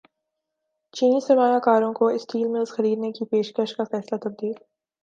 چینی سرمایہ کاروں کو اسٹیل ملز خریدنے کی پیشکش کا فیصلہ تبدیل